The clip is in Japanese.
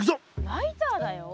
ライターだよ？